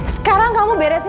sekarang kamu beresin